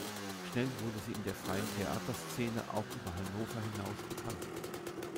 Schnell wurde sie in der freien Theaterszene auch über Hannover hinaus bekannt.